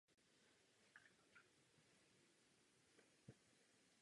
Díky jeho analýze došlo k odhalení zdrojů nákazy.